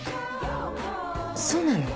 そうなの？